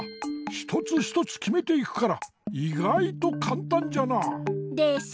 ひとつひとつきめていくからいがいとかんたんじゃな。でしょ！